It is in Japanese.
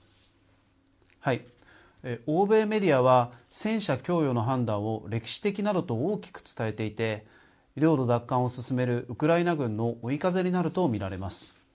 欧米メディアは、戦車供与の判断を歴史的などと大きく伝えていて、領土奪還を進めるウクライナ軍の追い風になると見られます。